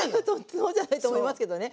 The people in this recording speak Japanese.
そうじゃないと思いますけどね。